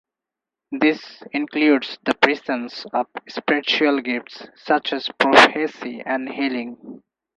This includes the presence of spiritual gifts, such as prophecy and healing.